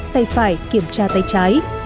tay phải kiểm tra tay trái